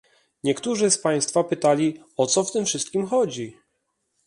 Niektórzy z państwa pytali "O co w tym wszystkim chodzi?"